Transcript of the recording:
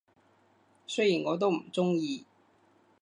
雖然我都唔鍾意